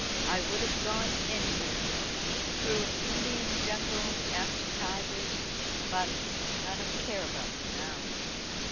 I would have gone anywhere with him through an Indian jungle after tigers but I don't care about it now."